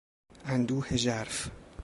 اندوه ژرف